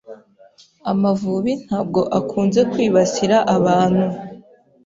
Amavubi ntabwo akunze kwibasira abantu.